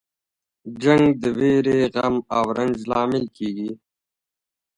جنګ د ویرې، غم او رنج لامل کیږي.